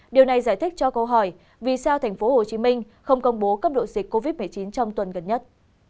điều này giải thích cho câu hỏi vì sao tp hcm không công bố cấp độ dịch covid một mươi chín trong tuần gần nhất